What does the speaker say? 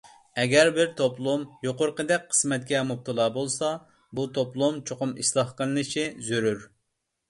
ئەگەر بىر توپلۇم يۇقىرىقىدەك قىسمەتكە مۇپتىلا بولسا، بۇ توپلۇم چوقۇم ئىسلاھ قىلىنىشى زۆرۈر.